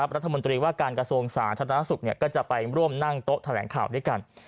รัฐมนตรีว่าการกระทรวงสาธารณสุขก็จะไปร่วมนั่งโต๊ะแถลงข่าวด้วยกัน